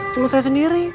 cuma saya sendiri